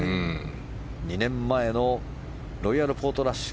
２年前のロイヤル・ポートラッシュ